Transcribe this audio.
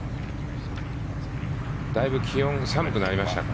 だいぶ気温は寒くなりましたか？